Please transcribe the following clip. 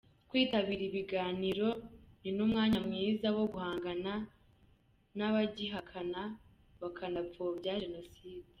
Kwitabira ibiganiro ni n’umwanya mwiza wo guhangana n’abagihakana bakanapfobya jenoside.